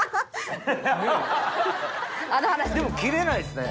でも切れないですね。